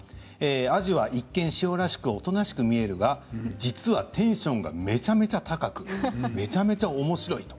彩珠は一見しおらしくおとなしく見えるが実はテンションがめちゃめちゃ高くめちゃめちゃおもしろい。